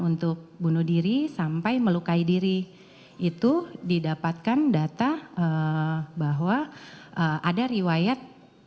untuk bunuh diri sampai melukai diri itu didapatkan data bahwa ada riwayat